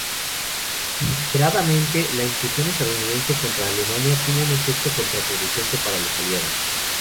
Inesperadamente, la incursión estadounidense contra Alemania tuvo un efecto contraproducente para los Aliados.